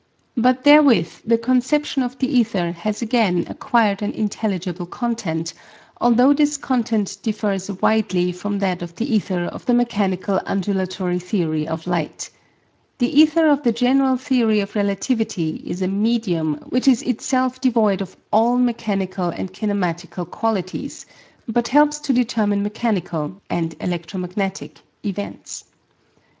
But therewith the conception of the ether has again acquired an intelligible content, although this content differs widely from that of the ether of the mechanical undulatory theory of light. The ether of the general theory of relativity is a medium which is itself devoid of all mechanical and kinematical qualities, but helps to determine mechanical (and electromagnetic) events.